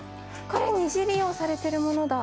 これ二次利用されてるものだ！